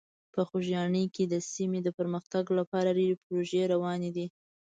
په خوږیاڼي کې د سیمې د پرمختګ لپاره ډېرې پروژې روانې دي.